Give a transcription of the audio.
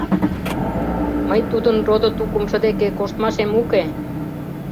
Мый тудын родо-тукымжо деке коштмашем уке!